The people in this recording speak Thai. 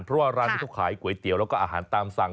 เพราะว่าร้านนี้เขาขายก๋วยเตี๋ยวแล้วก็อาหารตามสั่ง